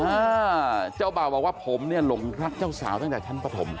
อ่าเจ้าบ่าวบอกว่าผมเนี่ยหลงรักเจ้าสาวตั้งแต่ชั้นปฐม